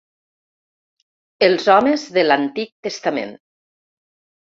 Els homes de l'Antic Testament.